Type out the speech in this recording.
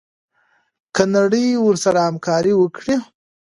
که نړۍ ورسره همکاري وکړي.